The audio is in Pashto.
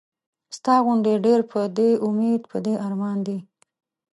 ستا غوندې ډېر پۀ دې اميد پۀ دې ارمان دي